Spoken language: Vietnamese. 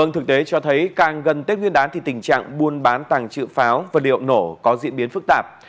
thực tế cho thấy càng gần tết nguyên đán thì tình trạng buôn bán tàng trự pháo và liệu nổ có diễn biến phức tạp